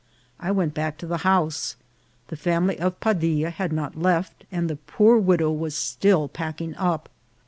I went back to the house. The family of Padilla had not left, and the poor widow was still packing up.